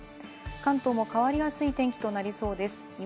関東も変わりやすい天気となりそうです。